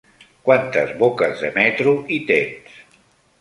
Quantes boques de metro hi tens?